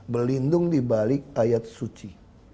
tendung di balik ayat suci